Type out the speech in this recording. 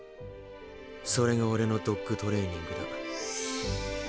それがオレのドッグトレーニングだ。